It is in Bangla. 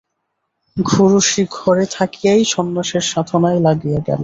ষোড়শী ঘরে থাকিয়াই সন্ন্যাসের সাধনায় লাগিয়া গেল।